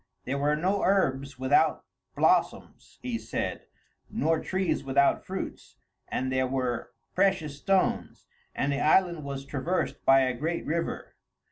There were no herbs without blossoms, he said, nor trees without fruits, and there were precious stones, and the island was traversed by a great river.